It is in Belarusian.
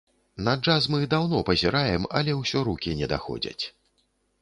На джаз мы даўно пазіраем, але ўсё рукі не даходзяць.